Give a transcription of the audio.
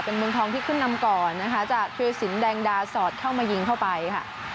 เป็นเมืองทองที่ขึ้นนำก่อนนะคะจากธุรสินแดงดาสอดเข้ามายิงเข้าไปค่ะ